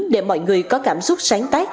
để mọi người có cảm xúc sáng tác